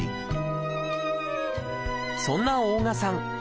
そんな大我さん